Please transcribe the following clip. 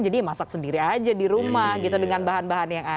jadi mungkin sekitar berapa bulan sekarang